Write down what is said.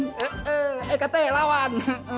eh eh eh kt lawan